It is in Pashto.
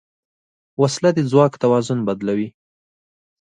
وسله د ځواک توازن بدلوي